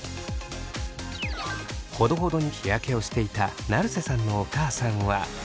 ほどほどに日焼けをしていた成瀬さんのお母さんは。